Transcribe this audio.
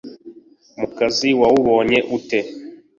mukazi wawubonye ute?”